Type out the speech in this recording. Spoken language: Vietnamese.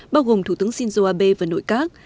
bao gồm thủ tướng shinzo abe và nội các